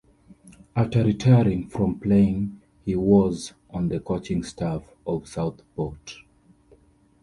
After retiring from playing he was, on the coaching staff of Southport.